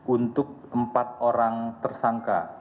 untuk empat orang tersangka